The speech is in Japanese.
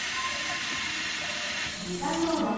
じかんモード。